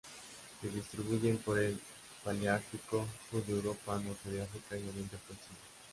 Se distribuyen por el Paleártico: sur de Europa, norte de África y Oriente Próximo.